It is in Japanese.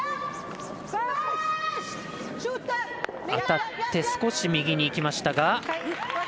当たって少し右にいきましたが。